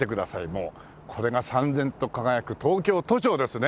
もうこれがさんぜんと輝く東京都庁ですね。